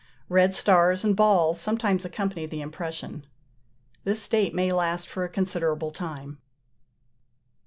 Red stars and balls sometimes accompany the impression. This state may last for a considerable time.